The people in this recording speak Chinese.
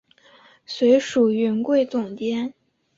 随署云贵总督。